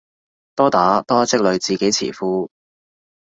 多打多積累自己詞庫